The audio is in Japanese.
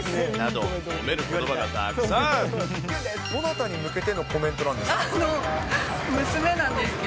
どなたに向けてのコメントなんですか？